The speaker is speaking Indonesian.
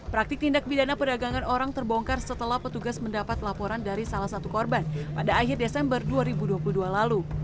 praktik tindak pidana perdagangan orang terbongkar setelah petugas mendapat laporan dari salah satu korban pada akhir desember dua ribu dua puluh dua lalu